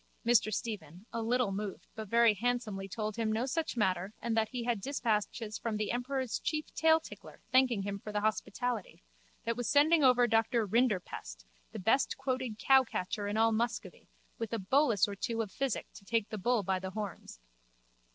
Mr Stephen, a little moved but very handsomely told him no such matter and that he had dispatches from the emperor's chief tailtickler thanking him for the hospitality, that was sending over Doctor Rinderpest, the bestquoted cowcatcher in all Muscovy, with a bolus or two of physic to take the bull by the horns.